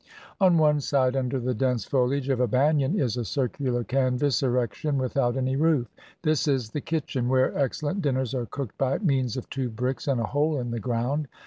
On one side imder the dense foliage of a banian is a circular canvas erection without any roof. This is the kitchen, where excellent dinners are cooked by means of two bricks and a hole in the ground.